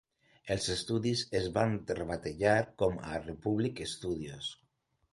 Els estudis es van rebatejar com a Republic Studios.